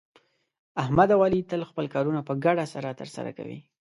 احمد او علي تل خپل کارونه په ګډه سره ترسه کوي.